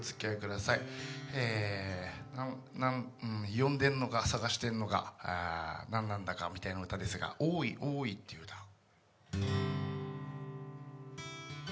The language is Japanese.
呼んでんのか、探してんのか、何なんだかみたいな歌ですが、「おーい！おーい！！」という歌を。